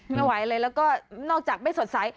ไม่ไหวเลยแล้วก็นอกจากไม่สดใส